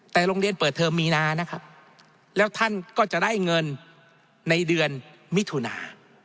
แต่โรงเรียนเปิดเทอมมีนานะครับแล้วท่านก็จะได้เงินในเดือนมิถุนา